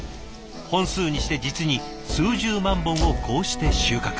本数にして実に数十万本をこうして収穫。